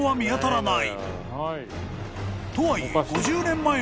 ［とはいえ］